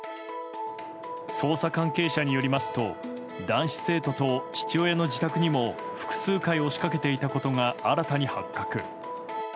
捜査関係者によりますと男子生徒と父親の自宅にも複数回押し掛けていたことが新たに発覚。